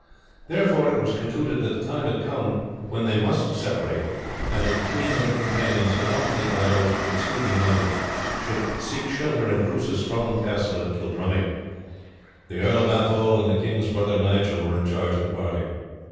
Therefore it was concluded that the time had come when they must separate, and that the queen and her companions, accompanied by those who could still be mounted, should seek shelter in Bruce's strong castle of Kildrummy. The Earl of Athole and the king's brother Nigel were in charge of the party.